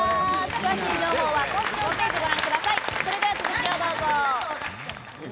詳しい情報は公式ホームページをご覧ください、それでは続きをどうぞ。